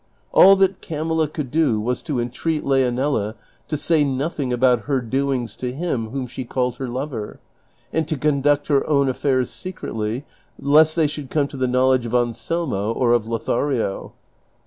All that Camilla could do was to entreat Leonela to say nothing about her doings to him whom she called her lover, and to conduct her own affairs secretly lest they should come to the knowledge of Anselmo or of Lothario.